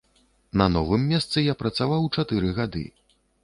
На новым месцы я працаваў чатыры гады.